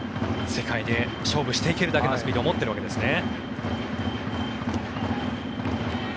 世界で勝負していけるだけのスピードを持っているわけですね。